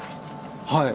はい。